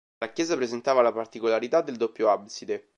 La Chiesa presentava la particolarità del doppio abside.